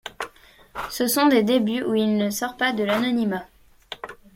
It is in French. Ce sont des débuts où il ne sort pas de l'anonymat.